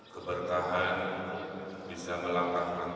keberkahan bisa melakukan